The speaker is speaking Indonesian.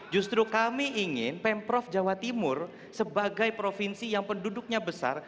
justru kami ingin pemprov jawa timur sebagai provinsi yang penduduknya besar